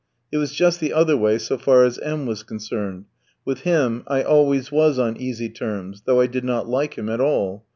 It was just the other way so far as M tski was concerned; with him I always was on easy terms, though I did not like him at all.